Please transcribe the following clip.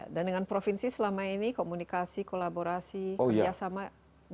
dan dengan provinsi selama ini komunikasi kolaborasi kerjasama bagus